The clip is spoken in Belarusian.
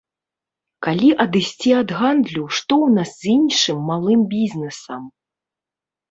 Калі адысці ад гандлю, што ў нас з іншым малым бізнесам?